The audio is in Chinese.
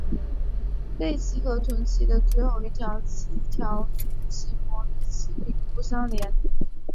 背鳍与臀鳍的最后一鳍条鳍膜与尾柄不相连。